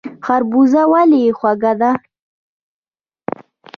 خربوزه ولې خوږه ده؟